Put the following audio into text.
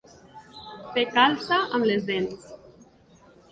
Fer calça amb les dents.